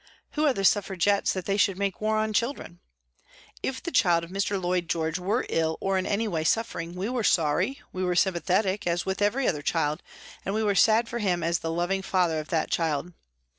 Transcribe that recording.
Who are the Suffragettes that they should make war on children ? If the child of Mr. Lloyd George were ill or in any way suffering, we were sorry, we were sympathetic, as with every other child, and we were sad for him as the loving father of that child.